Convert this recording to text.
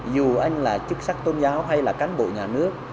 dù anh là chức sắc tôn giáo hay là cán bộ nhà nước